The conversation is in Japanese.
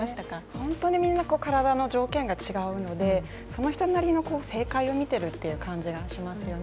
本当にみんな体の条件が違うのでその人なりの正解を見てるという感じがしますよね。